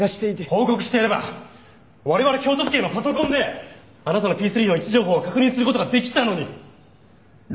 報告してれば我々京都府警のパソコンであなたのＰⅢの位置情報を確認する事ができたのに！